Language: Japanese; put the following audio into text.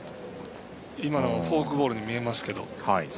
今のがフォークボールに見えますけど。